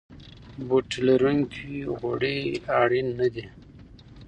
بوټي لرونکي غوړي اړین نه دي.